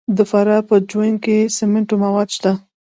د فراه په جوین کې د سمنټو مواد شته.